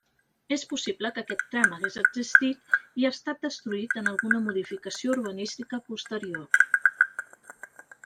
És possible que aquest tram hagués existit i estat destruït en alguna modificació urbanística posterior.